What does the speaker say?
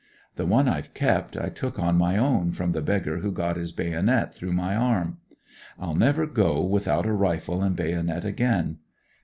The one I've kept I took on my own from the beggar who got his bayonet through my arm. I'll never go without a rifle and bayonet again.